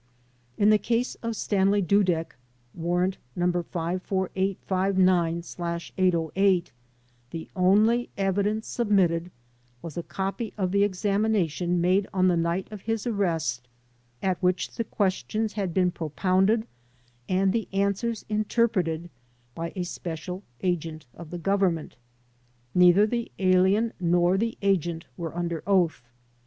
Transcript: In the case of Stanley Dudek (Warrant No. 54859/ 808), the only evidence submitted was a copy of the examination made on the night of his arrest at which the questions had been propounded and answers inter preted by a special agent of the Government. Neither the alien nor the agent were under oath.